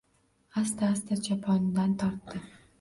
Asta-asta choponidan tortdi.